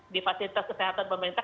di fasilitas kesehatan pemerintah